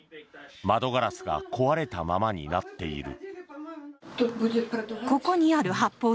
窓ガラスが壊れたままになっている。